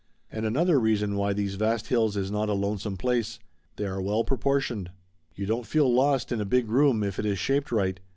And another reason why these vast hills is not a lonesome place. They are well proportioned. You don't feel lost in a big room if it is shaped right.